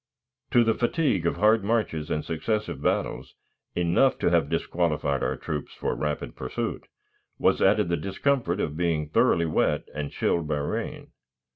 To the fatigue of hard marches and successive battles, enough to have disqualified our troops for rapid pursuit, was added the discomfort of being thoroughly wet and chilled by rain.